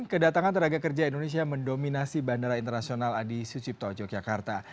kedatangan tenaga kerja indonesia mendominasi bandara internasional adi sucipto yogyakarta